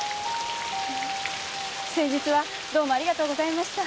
先日はどうもありがとうございました。